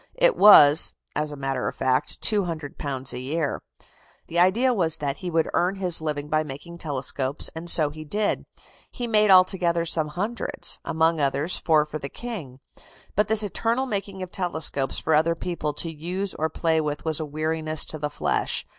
It was, as a matter of fact, £200 a year. The idea was that he would earn his living by making telescopes, and so indeed he did. He made altogether some hundreds. Among others, four for the King. But this eternal making of telescopes for other people to use or play with was a weariness to the flesh.